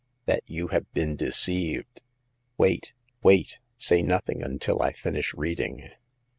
''" That you have been deceived. Wait— wait ! say nothing until I finish reading."